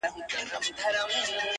نړۍ د پښتون قام د ورکېدو په انتظار